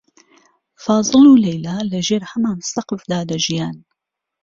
فازڵ و لەیلا لەژێر هەمان سەقفدا دەژیان.